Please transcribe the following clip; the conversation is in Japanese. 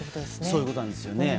そういうことなんです。